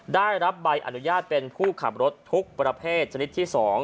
ได้รับใบอนุญาตเป็นผู้ขับรถทุกประเภทชนิดที่๒